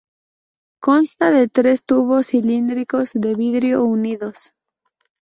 Consta de tres tubos cilíndricos de vidrio unidos.